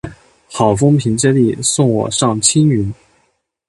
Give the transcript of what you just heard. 好风凭借力，送我上青云